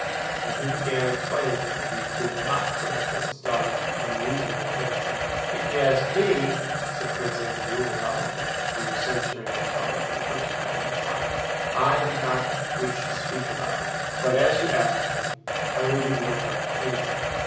And he began explaining why he could not put up with his daughter's unreasonable character. "If you ask me," said Prince Andrew, without looking up (he was censuring his father for the first time in his life), "I did not wish to speak about it, but as you ask me I will give you my frank opinion.